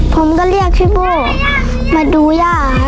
ผมก็เรียกพี่บูมาดูย่า